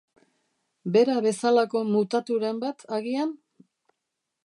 Bera bezalako mutaturen bat, agian?